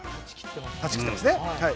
断ち切っていますね。